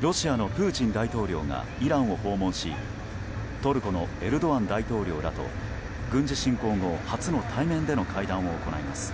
ロシアのプーチン大統領がイランを訪問しトルコのエルドアン大統領らと軍事侵攻後初の対面での会談を行います。